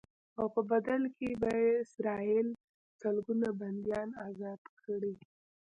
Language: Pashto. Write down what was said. او په بدل کې به اسرائیل سلګونه بنديان ازاد کړي.